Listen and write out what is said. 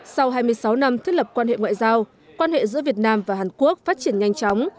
sau hai mươi sáu năm thiết lập quan hệ ngoại giao quan hệ giữa việt nam và hàn quốc phát triển nhanh chóng